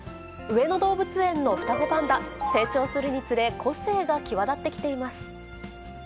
上野動物園の双子パンダ、成長するにつれ、個性が際立ってきています。